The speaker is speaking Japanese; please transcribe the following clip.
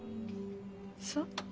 そう？